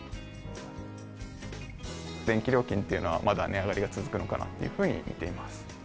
電気料金というのは、まだ値上がりが続くのかなというふうに見ています。